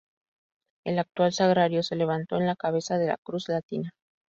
El actual sagrario, se levantó en la cabeza de la cruz latina.